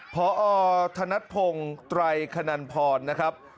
พงศ์ไตรคนนันพรนะครับ